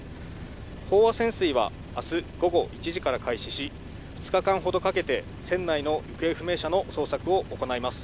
飽和潜水はあす午後１時から開始し、２日間ほどかけて、船内の行方不明者の捜索を行います。